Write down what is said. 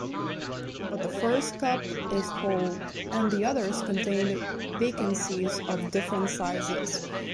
But the first cup is whole, and the others contain vacancies of different sizes.